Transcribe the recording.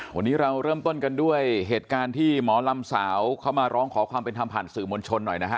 วันนี้เราเริ่มต้นกันด้วยเหตุการณ์ที่หมอลำสาวเข้ามาร้องขอความเป็นธรรมผ่านสื่อมวลชนหน่อยนะฮะ